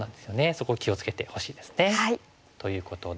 そこを気を付けてほしいですね。ということで。